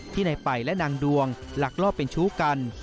ที่นายไปและนางดวงหลักรอบเป็นชู้กัน